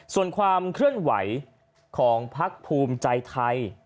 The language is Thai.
ส่วนความเคลื่อนไหวของพักภูมิใจไทย